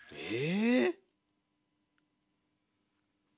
え？